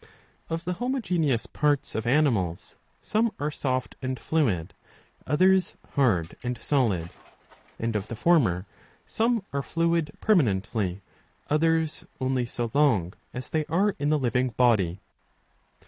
Of the homogeneous parts of animals, some are soft and fluid, others hard and solid ; and of the former some are fluid permanently, others only so long as they are in the living body.